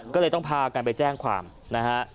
ก็เลยต้องพากันไปแจ้งความนะฮะ